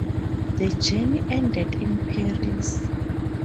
The journey ended in Paris.